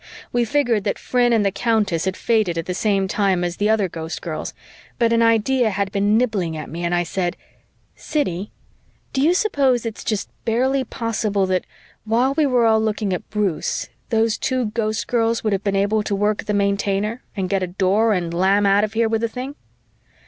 We figured that Phryne and the Countess had faded at the same time as the other Ghostgirls, but an idea had been nibbling at me and I said, "Siddy, do you suppose it's just barely possible that, while we were all looking at Bruce, those two Ghostgirls would have been able to work the Maintainer and get a Door and lam out of here with the thing?"